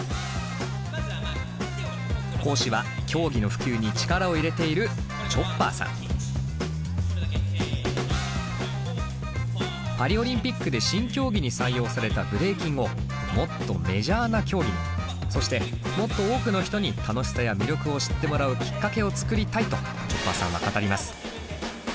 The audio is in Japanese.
講師は競技の普及に力を入れているパリオリンピックで新競技に採用されたブレイキンをもっとメジャーな競技にそしてもっと多くの人に楽しさや魅力を知ってもらうきっかけを作りたいとＣＨＯＰＰＡさんは語ります。